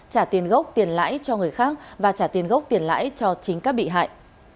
trả tiền gốc tiền lãi cho người khác và trả tiền gốc tiền lãi cho chính các bị hại